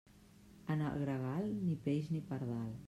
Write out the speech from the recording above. En el gregal, ni peix ni pardal.